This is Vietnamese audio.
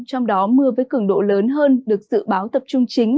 trong đó mưa với cường độ lớn hơn được dự báo tập trung chính